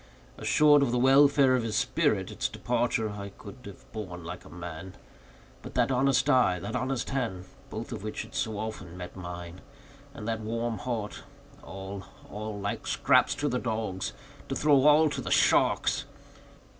Assured of the welfare of his spirit, its departure I could have borne like a man; but that honest eye, that honest hand—both of which had so often met mine—and that warm heart; all, all—like scraps to the dogs—to throw all to the sharks!